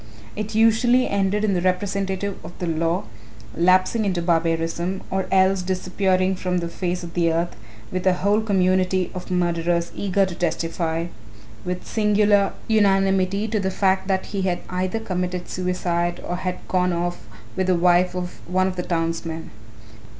It usually ended in the representative of the law lapsing into barbarism, or else disappearing from the face of the earth, with a whole community of murderers eager to testify, with singular unanimity, to the fact that he had either committed suicide or had gone off with the wife of one of the townsmen.